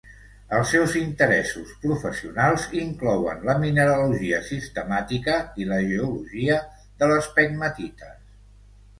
Els seus interessos professionals inclouen la mineralogia sistemàtica i la geologia de les pegmatites.